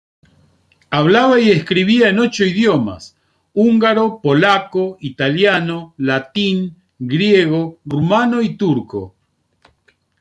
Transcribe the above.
Hablaba y escribía en ocho idiomas: húngaro, polaco, italiano, latín, griego, rumano y turco.